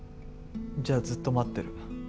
じゃあずっと待ってる。